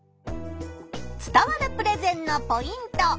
伝わるプレゼンのポイント。